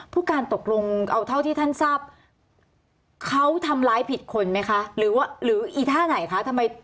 ผู้การตกลงเอาเท่าที่ท่านทราบเขาทำร้ายผิดคนไหมคะหรือว่าหรืออีท่าไหนคะทำไม